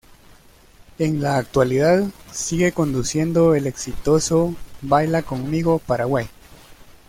En la actualidad sigue conduciendo el exitoso Baila Conmigo Paraguay